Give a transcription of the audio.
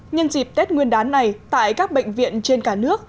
nhân dịp tết nguyên đán này tại các bệnh viện trên cả nước